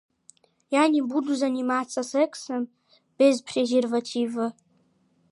Я не буду заниматься сексом без презерватива.